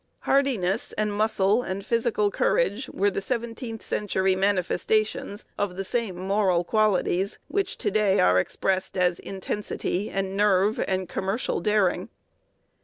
Hardiness and muscle and physical courage were the seventeenth century manifestations of the same moral qualities which to day are expressed as intensity and nerve and commercial daring.